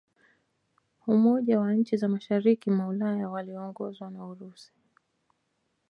Umoja wa nchi za mashariki mwa Ulaya waliongozwa na Urusi